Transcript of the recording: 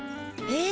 え。